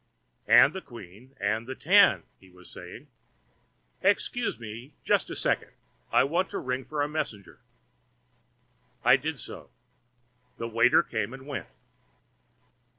"And the queen and the ten—" he was saying. "Excuse me just a second; I want to ring for a messenger." I did so. The waiter came and went.